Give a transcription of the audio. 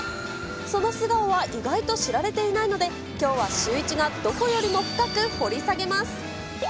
その素顔は意外と知られていないので、きょうはシューイチがどこよりもふかく掘り下げます。